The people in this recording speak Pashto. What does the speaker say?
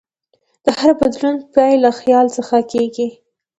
د هر بدلون پیل له خیال څخه کېږي.